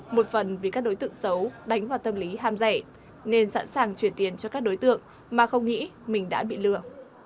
một phần vì các đối tượng xấu đánh vào tâm lý ham rẻ nên sẵn sàng chuyển tiền cho các đối tượng mà không nghĩ mình đã bị lừa